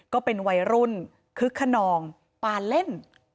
ก็เป็นวัยรุ่นคึกขนองปาเล่น